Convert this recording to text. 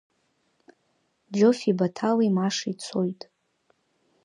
Џьофи, Баҭали, Машеи цоит.